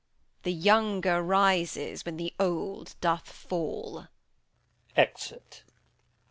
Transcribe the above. The younger rises when the old doth fall. Exit.